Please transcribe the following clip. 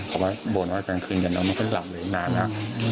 เขาบ่นว่ากลางคืนเดี๋ยวนอนไม่ค่อยหลับหรือนานแล้ว